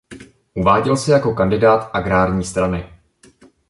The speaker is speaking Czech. Uváděl se jako kandidát agrární strany.